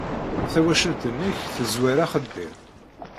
Tawacult-nnek tezwar axeddim.